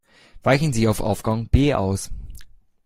Weichen Sie auf Aufgang B aus.